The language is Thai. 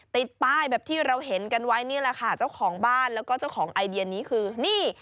ติดป้ายแบบที่เราเห็นกันไว้นี่แหละค่ะเจ้าของบ้านแล้วก็เจ้าของไอเดียนี้คือนี่